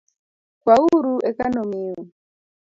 Kwauru eka nomiu